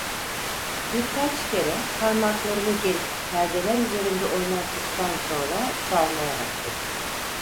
Birkaç kere parmaklarını gerip perdeler üzerinde oynattıktan sonra çalmaya başladı.